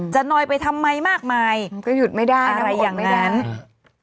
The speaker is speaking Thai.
นอยไปทำไมมากมายก็หยุดไม่ได้อะไรอย่างในนั้น